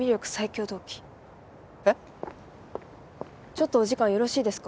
ちょっとお時間よろしいですか？